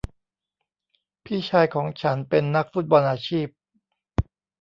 พี่ชายของฉันเป็นนักฟุตบอลอาชีพ